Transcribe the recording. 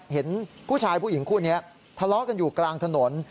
เห็นผู้ชายผู้หญิงคู่นี้ทะเลาะกันอยู่กลางถนน